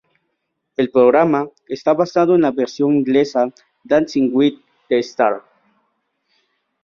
El programa está basado en la versión inglesa Dancing with the Stars.